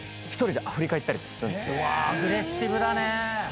うわっアグレッシブだね。